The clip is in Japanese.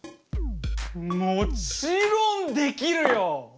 もちろんできるよ！